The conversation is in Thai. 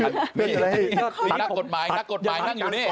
นี่มีนักกฎหมายนักกฎหมายนั่งอยู่นี่